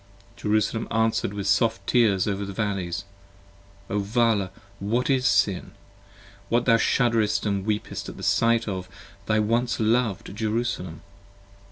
Jerusalem answer'd with soft tears over the valleys. Vala what is Sin? that thou shudderest and weepest At sight of thy once lov'd Jerusalem!